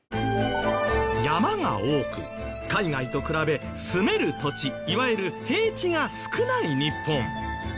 山が多く海外と比べ住める土地いわゆる平地が少ない日本。